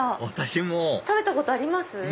私も食べたことあります？